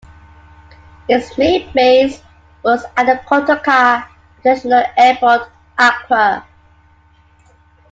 Its main base was at Kotoka International Airport, Accra.